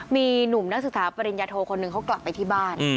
มีหนุ่มนักศึกษาปริญญาโทคนหนึ่งเขากลับไปที่บ้าน